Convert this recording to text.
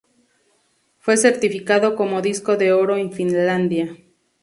Fue certificado como disco de oro en Finlandia.